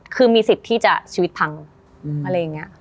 คือมีสิทธิ์ที่จะชีวิตพังอะไรอย่างนี้